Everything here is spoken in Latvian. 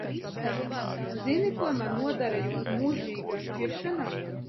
Zini, ko man nodara jūsu mūžīgās šķiršanās?